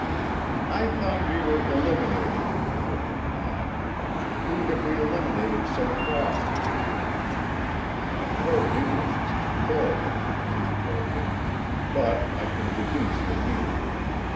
"I thought we were eliminating," put in Maud. "Who have we eliminated so far?" "Your English is deplorable," Kee told her, "but I can deduce your meaning.